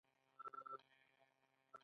آیا دا کار له تناقض پرته کېدای شي؟